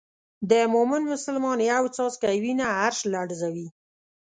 د مومن مسلمان یو څاڅکی وینه عرش لړزوي.